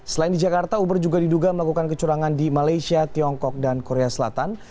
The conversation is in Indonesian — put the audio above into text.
selain di jakarta uber juga diduga melakukan kecurangan di malaysia tiongkok dan korea selatan